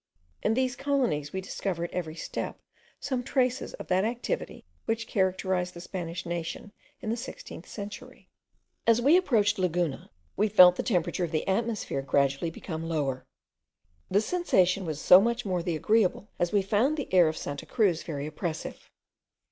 In these colonies we discover at every step some traces of that activity which characterized the Spanish nation in the 16th century. As we approached Laguna, we felt the temperature of the atmosphere gradually become lower. This sensation was so much the more agreeable, as we found the air of Santa Cruz very oppressive.